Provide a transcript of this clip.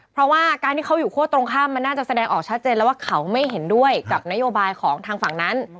เพราะว่าการที่เขาอยู่คั่วตรงข้ามมันน่าจะแสดงออกชัดเจนแล้วว่าเขาไม่เห็นด้วยกับนโยบายของทางฝั่งนั้น